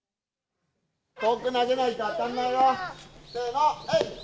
遠く投げないと当たんないよ。